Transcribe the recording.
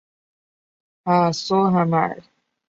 Ah, so am I.